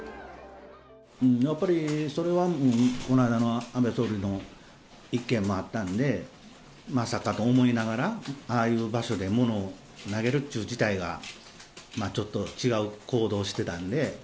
やっぱりそれは、この間の安倍総理の一件もあったんで、まさかと思いながら、ああいう場所で物を投げるっちゅう事態が、もうちょっと違う行動してたんで。